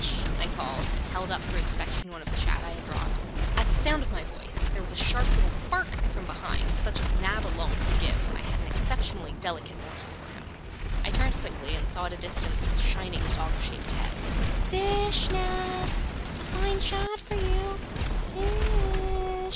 I called, and held up for inspection one of the shad I had brought. At the sound of my voice there was a sharp little bark from behind, such as Nab alone could give when I had an exceptionally delicate morsel for him. I turned quickly, and saw at a distance his shining dog shaped head. "Fish, Nab, a fine shad for you, fish!"